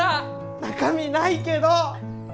中身ないけど！